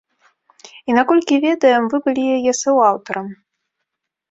І наколькі ведаем, вы былі яе суаўтарам.